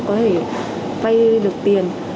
có thể vay được tiền